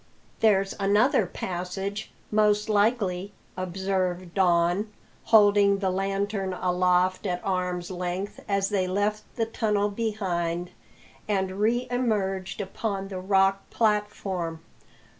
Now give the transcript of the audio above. "There's another passage, most likely," observed Don, holding the lantern aloft at arm's length as they left the tunnel behind and reemerged upon the rock platform.